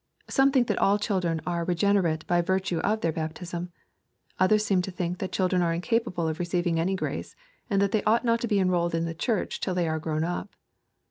^Some think that all children are regene rate by virtue of their baptism. Others seem to think that children are incapable of receiving any grace, and that they ought not to be enrolled in the Church till they are grown up.